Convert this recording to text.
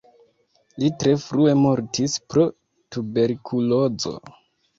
Li tre frue mortis pro tuberkulozo.